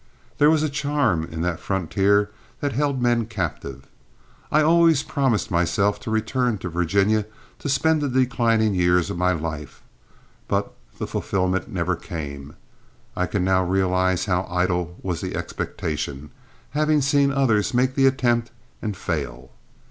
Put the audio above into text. There was a charm in the frontier that held men captive. I always promised myself to return to Virginia to spend the declining years of my life, but the fulfillment never came. I can now realize how idle was the expectation, having seen others make the attempt and fail.